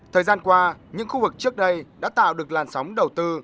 thời gian qua những khu vực trước đây đã tạo được làn sóng đầu tư